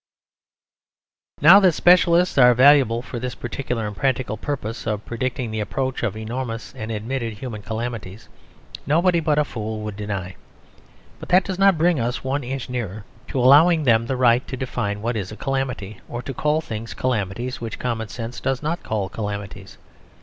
Now, that specialists are valuable for this particular and practical purpose, of predicting the approach of enormous and admitted human calamities, nobody but a fool would deny. But that does not bring us one inch nearer to allowing them the right to define what is a calamity; or to call things calamities which common sense does not call calamities.